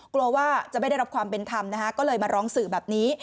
กลัวว่าจะไม่ได้รับความเป็นธรรมนะคะก็เลยมาร้องสื่อแบบนี้